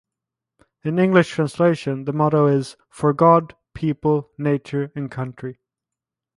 In English translation, the motto is "For God, People, Nature and Country".